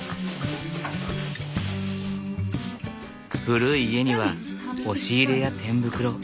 古い家には押し入れや天袋